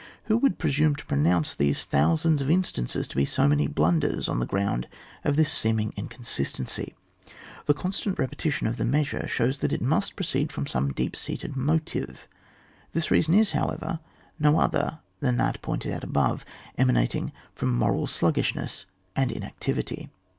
Who would presume to pronounce these thou sands of instances to be so many blunders on the ground of this seeming inconsis tency ? The constant repetition of the measure shows that it must proceed from some deep seated motive. This reason is, howQver, no other than that pointed out above, emanating from mored slug gishness and inactivity.